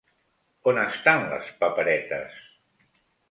On estan las paperetes?